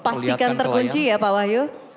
pastikan terkunci ya pak wahyu